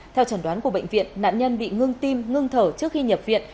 theo chuẩn đoán của bệnh viện nạn nhân bị ngưng tim ngưng thở trước khi nhập viện